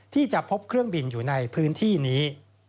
ที่จะพบเครื่องบินอยู่ในพื้นที่นี้